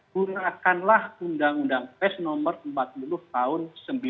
gunakanlah undang undang pers nomor empat puluh tahun sembilan puluh sembilan